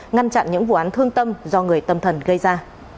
ngăn chặn những vụ án thương tâm do người tâm thần gây ra